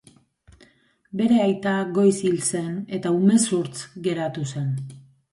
Bere aita goiz hil zen eta umezurtz geratu zen.